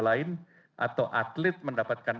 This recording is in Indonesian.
lain atau atlet mendapatkan